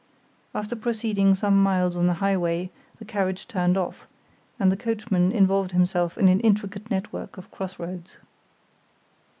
After proceeding some miles on the highway, the carriage turned off, and the coachman involved himself in an intricate network of cross roads.